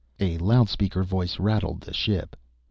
A loudspeaker voice rattled the ship.